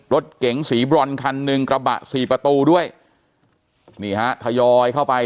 รถเก๋งสีบรอนคันหนึ่งกระบะสี่ประตูด้วยนี่ฮะทยอยเข้าไป